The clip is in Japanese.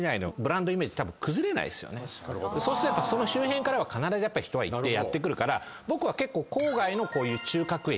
そうするとその周辺からは必ず人は一定やって来るから僕は結構郊外のこういう中核駅。